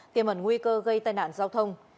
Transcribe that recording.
tiềm ẩn nguy cơ gây tai nạn giao thông